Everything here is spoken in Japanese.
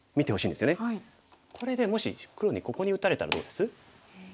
これでもし黒にここに打たれたらどうです？